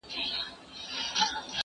زه مخکي تکړښت کړي وو!؟